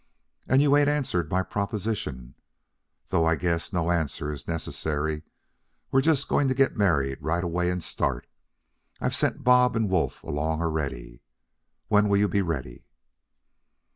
"And you ain't answered my proposition, though I guess no answer is necessary. We're just going to get married right away and start. I've sent Bob and Wolf along already. When will you be ready?"